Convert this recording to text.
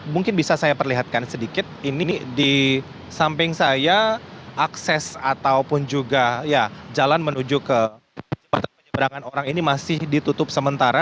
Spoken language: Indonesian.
mungkin bisa saya perlihatkan sedikit ini di samping saya akses ataupun juga jalan menuju ke penyeberangan orang ini masih ditutup sementara